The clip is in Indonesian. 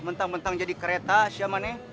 bentang bentang jadi kareta siamane